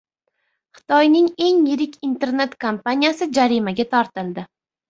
Xitoyning eng yirik internet kompaniyasi jarimaga tortildi